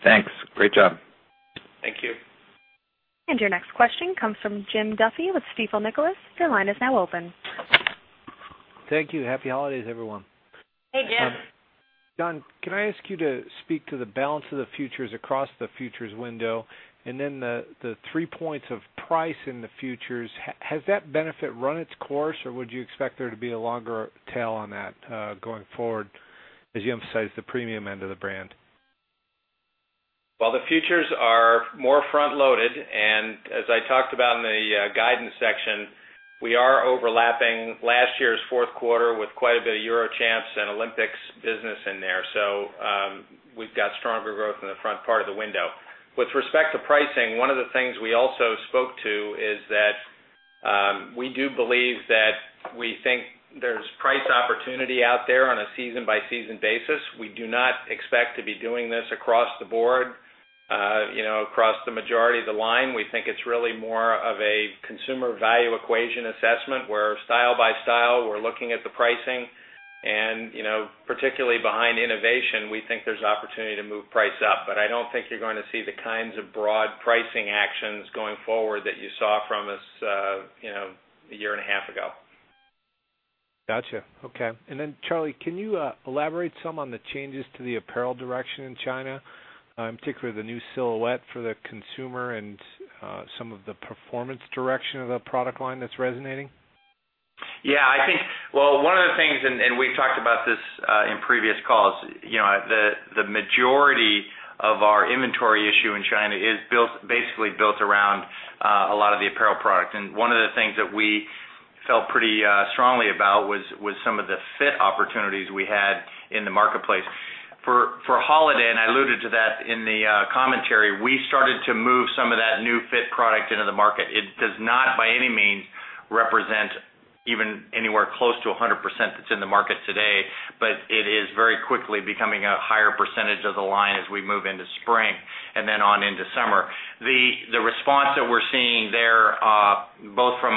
Thanks. Great job. Thank you. Your next question comes from Jim Duffy with Stifel Nicolaus. Your line is now open. Thank you. Happy holidays, everyone. Hey, Jim. Don, can I ask you to speak to the balance of the futures across the futures window and then the three points of price in the futures? Has that benefit run its course, or would you expect there to be a longer tail on that, going forward, as you emphasize the premium end of the brand? Well, the futures are more front-loaded. As I talked about in the guidance section, we are overlapping last year's fourth quarter with quite a bit of Euro Champs and Olympics business in there. We've got stronger growth in the front part of the window. With respect to pricing, one of the things we also spoke to is that, we do believe that we think there's price opportunity out there on a season-by-season basis. We do not expect to be doing this across the board, across the majority of the line. We think it's really more of a consumer value equation assessment, where style by style, we're looking at the pricing and, particularly behind innovation, we think there's opportunity to move price up. I don't think you're going to see the kinds of broad pricing actions going forward that you saw from us a year and a half ago. Got you. Okay. Charlie, can you elaborate some on the changes to the apparel direction in China? Particularly the new silhouette for the consumer and some of the performance direction of the product line that's resonating. Yeah, I think Well, one of the things, we've talked about this in previous calls, the majority of our inventory issue in China is basically built around a lot of the apparel product. One of the things that we felt pretty strongly about was some of the fit opportunities we had in the marketplace. For holiday, I alluded to that in the commentary, we started to move some of that new fit product into the market. It does not, by any means, represent even anywhere close to 100% that's in the market today, but it is very quickly becoming a higher percentage of the line as we move into spring then on into summer. The response that we're seeing there, both from,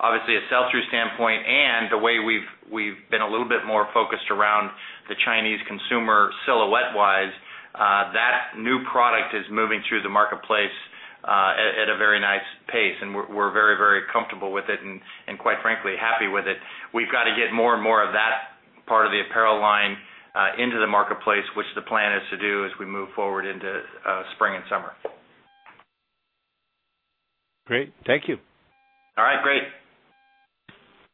obviously, a sell-through standpoint and the way we've been a little bit more focused around the Chinese consumer silhouette wise, that new product is moving through the marketplace at a very nice pace, we're very comfortable with it, quite frankly, happy with it. We've got to get more and more of that part of the apparel line into the marketplace, which the plan is to do as we move forward into spring and summer. Great. Thank you. All right. Great.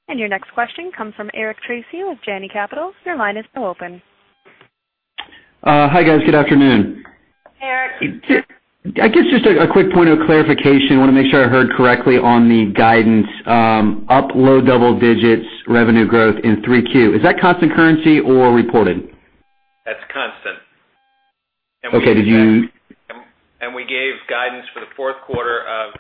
Your next question comes from Eric Tracy with Janney Capital. Your line is now open. Hi, guys. Good afternoon. Hey, Eric. I guess, just a quick point of clarification. Want to make sure I heard correctly on the guidance. Up low double digits revenue growth in 3Q. Is that constant currency or reported? That's constant. Okay. We gave guidance for the fourth quarter of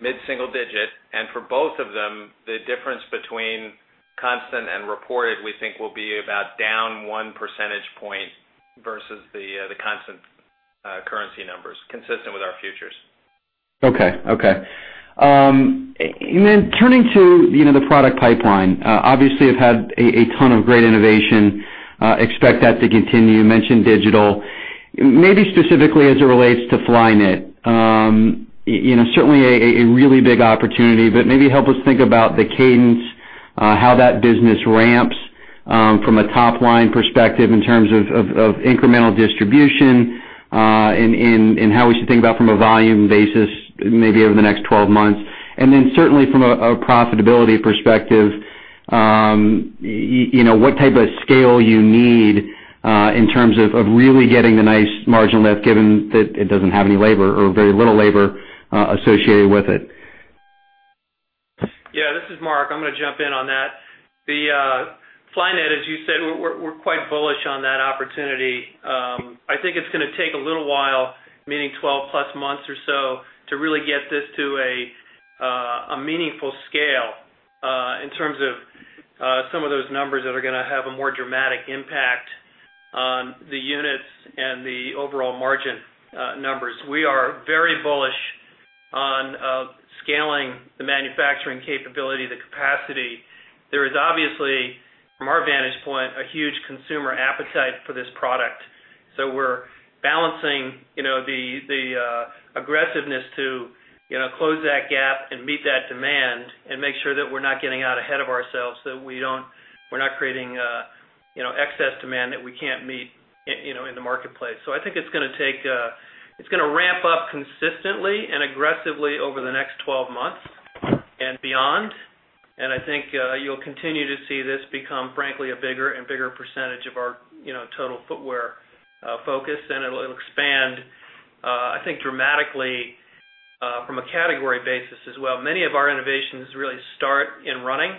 mid-single digit. For both of them, the difference between constant and reported, we think, will be about down one percentage point versus the constant currency numbers, consistent with our futures. Turning to the product pipeline, obviously you've had a ton of great innovation, expect that to continue. You mentioned digital. Maybe specifically as it relates to Flyknit. Certainly a really big opportunity, but maybe help us think about the cadence, how that business ramps, from a top-line perspective in terms of incremental distribution, and how we should think about from a volume basis, maybe over the next 12 months. Then certainly from a profitability perspective what type of scale you need in terms of really getting the nice margin lift, given that it doesn't have any labor or very little labor associated with it. Yeah, this is Mark. I'm going to jump in on that. The Flyknit, as you said, we're quite bullish on that opportunity. I think it's going to take a little while, meaning 12 plus months or so, to really get this to a meaningful scale in terms of some of those numbers that are going to have a more dramatic impact on the units and the overall margin numbers. We are very bullish on scaling the manufacturing capability, the capacity. There is obviously, from our vantage point, a huge consumer appetite for this product. We're balancing the aggressiveness to close that gap and meet that demand and make sure that we're not getting out ahead of ourselves so we're not creating excess demand that we can't meet in the marketplace. I think it's going to ramp up consistently and aggressively over the next 12 months and beyond. I think you'll continue to see this become, frankly, a bigger and bigger percentage of our total footwear focus. It'll expand, I think, dramatically from a category basis as well. Many of our innovations really start in running,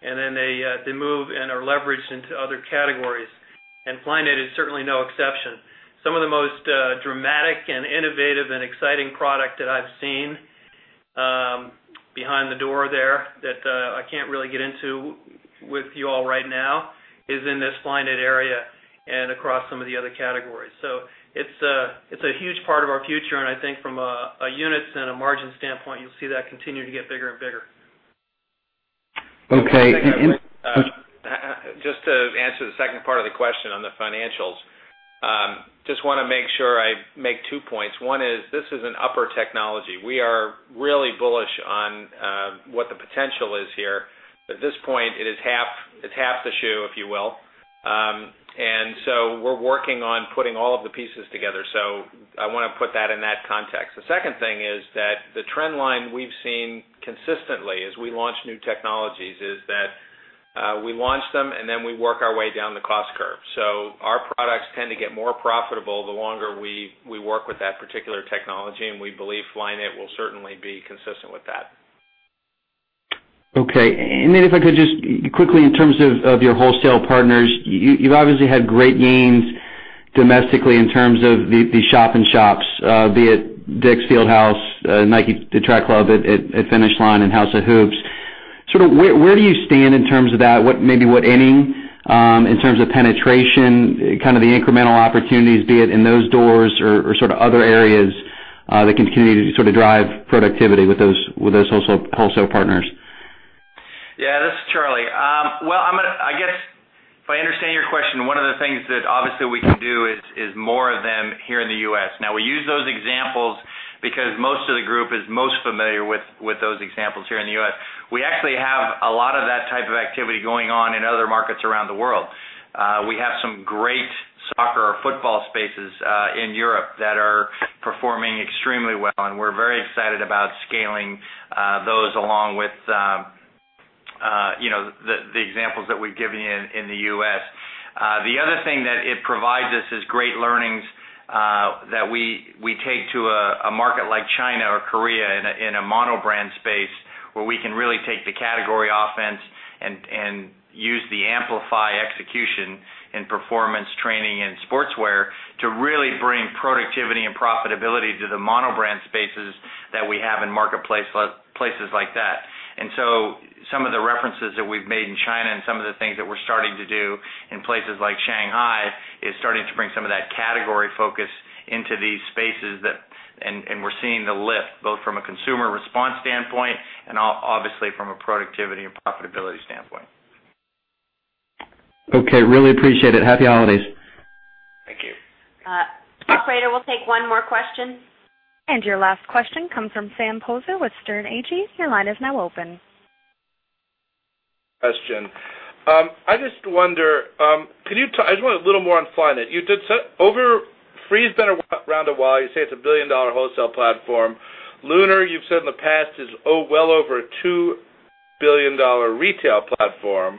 then they move and are leveraged into other categories. Flyknit is certainly no exception. Some of the most dramatic and innovative and exciting product that I've seen behind the door there, that I can't really get into with you all right now, is in this Flyknit area and across some of the other categories. It's a huge part of our future, and I think from a units and a margin standpoint, you'll see that continue to get bigger and bigger. Okay. Just to answer the second part of the question on the financials. Just want to make sure I make two points. One is, this is an upper technology. We are really bullish on what the potential is here. At this point, it is half the shoe, if you will. We're working on putting all of the pieces together. I want to put that in that context. The second thing is that the trend line we've seen consistently as we launch new technologies is that we launch them, and then we work our way down the cost curve. Our products tend to get more profitable the longer we work with that particular technology, and we believe Flyknit will certainly be consistent with that. Okay. If I could just quickly, in terms of your wholesale partners, you've obviously had great gains domestically in terms of the shop and shops, be it DICK'S Field House, Nike Track Club at Finish Line, and House of Hoops. Sort of where do you stand in terms of that? Maybe what inning in terms of penetration, kind of the incremental opportunities, be it in those doors or sort of other areas that can continue to sort of drive productivity with those wholesale partners? Yeah, this is Charlie. I guess if I understand your question, one of the things that obviously we can do is more of them here in the U.S. We use those examples because most of the group is most familiar with those examples here in the U.S. We actually have a lot of that type of activity going on in other markets around the world. We have some great soccer or football spaces in Europe that are performing extremely well, and we're very excited about scaling those along with the examples that we've given you in the U.S. The other thing that it provides us is great learnings that we take to a market like China or Korea in a mono brand space where we can really take the category offense and use the Amplify execution in performance training and sportswear to really bring productivity and profitability to the mono brand spaces that we have in marketplaces like that. Some of the references that we've made in China and some of the things that we're starting to do in places like Shanghai is starting to bring some of that category focus into these spaces. We're seeing the lift, both from a consumer response standpoint and obviously from a productivity and profitability standpoint. Okay. Really appreciate it. Happy holidays. Thank you. Operator, we'll take one more question. Your last question comes from Sam Poser with Sterne Agee. Your line is now open. Question. I just wonder, I just want a little more on Flyknit. Free's been around a while. You say it's a billion-dollar wholesale platform. Lunar, you've said in the past, is well over a $2 billion retail platform.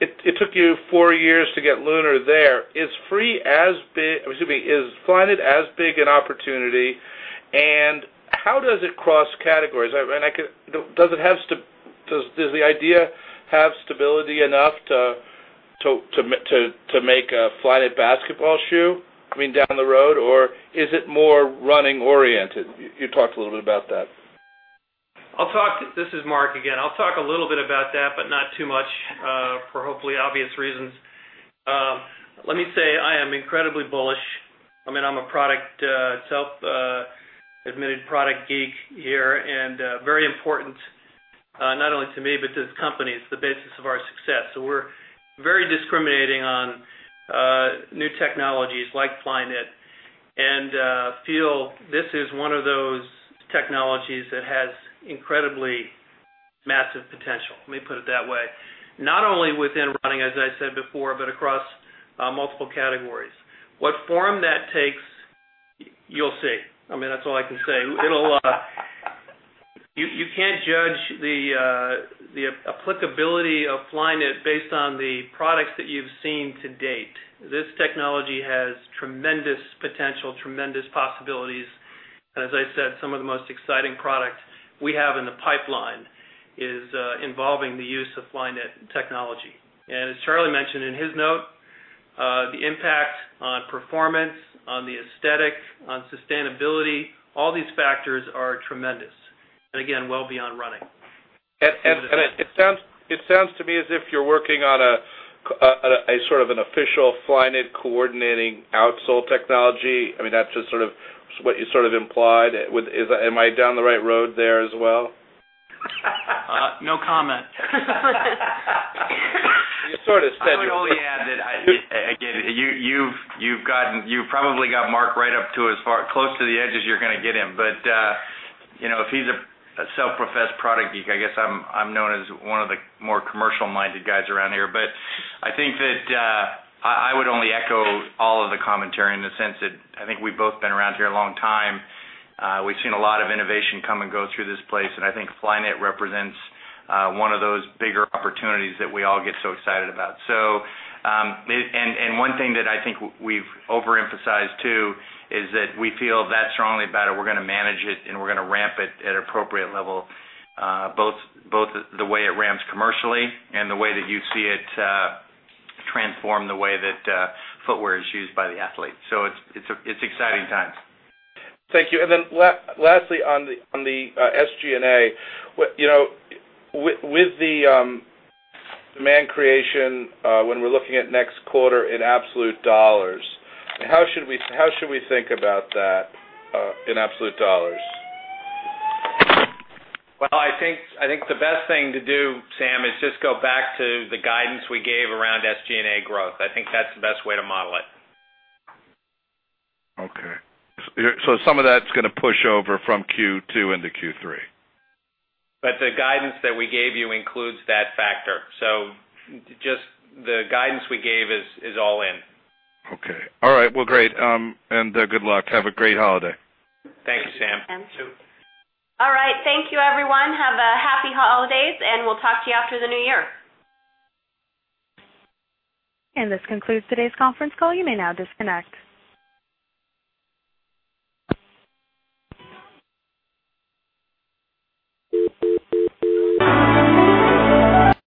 It took you four years to get Lunar there. Is Flyknit as big an opportunity, and how does it cross categories? Does the idea have stability enough to make a Flyknit basketball shoe, I mean, down the road, or is it more running oriented? You talked a little bit about that. This is Mark again. I'll talk a little bit about that, but not too much, for hopefully obvious reasons. Let me say, I am incredibly bullish. I mean, I'm a self-admitted product geek here, very important, not only to me, but to this company. It's the basis of our success. We're very discriminating on new technologies like Flyknit and feel this is one of those technologies that has incredibly massive potential, let me put it that way. Not only within running, as I said before, but across multiple categories. What form that takes? You'll see. That's all I can say. You can't judge the applicability of Flyknit based on the products that you've seen to date. This technology has tremendous potential, tremendous possibilities, as I said, some of the most exciting products we have in the pipeline is involving the use of Flyknit technology. As Charlie mentioned in his note, the impact on performance, on the aesthetic, on sustainability, all these factors are tremendous, again, well beyond running. It sounds to me as if you're working on a sort of an official Flyknit coordinating outsole technology. That's just what you sort of implied. Am I down the right road there as well? No comment. You sort of said it. I would only add that, again, you probably got Mark right up to as close to the edge as you're going to get him. If he's a self-professed product geek, I guess I'm known as one of the more commercial-minded guys around here. I think that I would only echo all of the commentary in the sense that I think we've both been around here a long time. We've seen a lot of innovation come and go through this place, and I think Flyknit represents one of those bigger opportunities that we all get so excited about. One thing that I think we've overemphasized, too, is that we feel that strongly about it. We're going to manage it, and we're going to ramp it at an appropriate level, both the way it ramps commercially and the way that you see it transform the way that footwear is used by the athlete. It's exciting times. Thank you. Lastly, on the SG&A, with the demand creation, when we are looking at next quarter in absolute $, how should we think about that in absolute $? Well, I think the best thing to do, Sam, is just go back to the guidance we gave around SG&A growth. I think that is the best way to model it. Okay. Some of that is going to push over from Q2 into Q3. The guidance that we gave you includes that factor. Just the guidance we gave is all in. Okay. All right. Well, great. Good luck. Have a great holiday. Thank you, Sam. Thank you. Sam. You, too. All right. Thank you, everyone. Have a happy holidays, we'll talk to you after the new year. This concludes today's conference call. You may now disconnect.